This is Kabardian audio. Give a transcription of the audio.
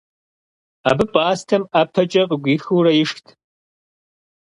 Абы пӀастэм ӀэпэкӀэ къыгуихыурэ ишхт.